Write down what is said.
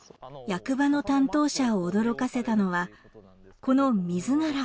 役場の担当者を驚かせたのはこのミズナラ。